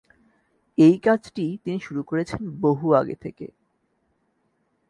এই কাজটি তিনি শুরু করেছেন বহু আগে থেকে।